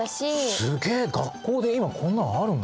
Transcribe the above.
すげえ学校で今こんなんあるんだ。